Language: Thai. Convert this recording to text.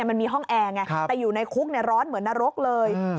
มันมีห้องแอร์ไงแต่อยู่ในคุกร้อนเหมือนนรกเลย